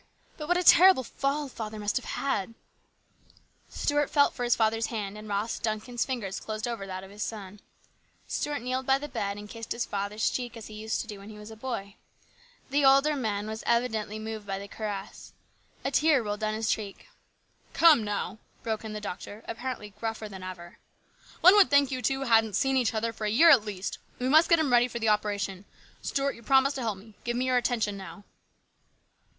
But what a terrible fall father must have had !" Stuart felt for his father's hand, and Ross Duncan's fingers closed over those of his son. Stuart kneeled by the bed and kissed his father's cheek as he used to do when a boy. The older man was evidently moved by the caress. A tear rolled down his face. " Come now," broke in the doctor, apparently gruffer than ever. " One would think you two hadn't seen each other for a year at least ! We must get him ready for the operation. Stuart, you promised to help me. Give me your attention now."